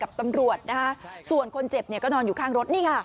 กับตำรวจนะคะส่วนคนเจ็บเนี่ยก็นอนอยู่ข้างรถนี่ค่ะ